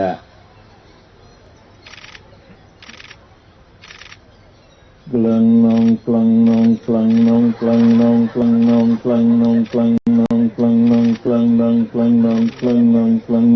orang televisi untuk mempelai